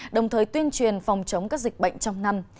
đồng thời tuyên truyền phòng chống các dịch bệnh trong năm